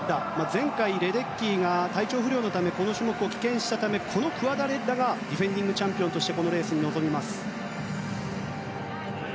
前回、レデッキーが体調不良のためこの種目を棄権したためこのクアダレッラがディフェンディングチャンピオンとしてこのレースに臨みます。